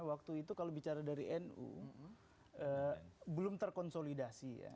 waktu itu kalau bicara dari nu belum terkonsolidasi ya